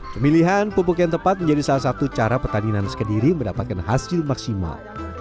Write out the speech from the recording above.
pemilihan pupuk yang tepat menjadi salah satu cara petani nanas kediri mendapatkan hasil maksimal